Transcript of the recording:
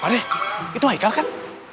wah adek itu haikal kan